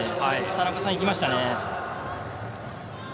田中さん、いきましたね。